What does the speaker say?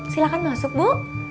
silahkan masuk bu